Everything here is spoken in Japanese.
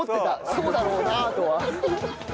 そうだろうなとは。